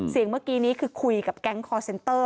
เสียงเมื่อกี้คือคุยกับแก๊งคอร์เซ็นเตอร์